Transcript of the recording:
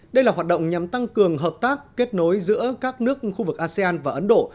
đây là hoạt động nhằm tăng cường hợp tác kết nối giữa các nước khu vực asean và ấn độ